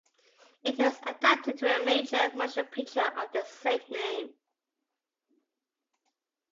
It was adapted into a major motion picture of the same name.